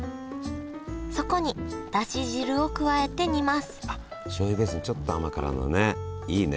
そこにだし汁を加えて煮ますあしょうゆベースにちょっと甘辛のねいいね。